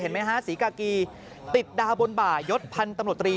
เห็นไหมฮะสีกากีติดดาบนบ่ายยดพันตำรวจรี